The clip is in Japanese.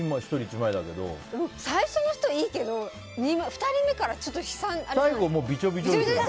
最初の人いいですけど２人目からちょっと悲惨じゃない？